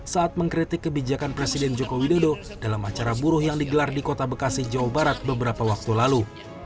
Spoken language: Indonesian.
saat mengkritik kebijakan presiden joko widodo dalam acara buruh yang digelar di kota bekasi jawa barat beberapa waktu lalu